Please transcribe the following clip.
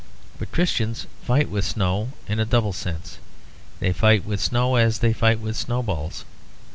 But Christians fight with snow in a double sense; they fight with snow as they fight with snowballs.